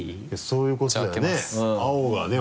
そういうことだよね